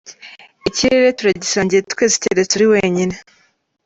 Ikirere turagisangiye twese keretse uri wenyine.